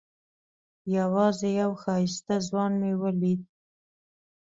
یوازې یو ښایسته ځوان مې ولید.